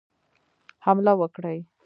حمله وکړي.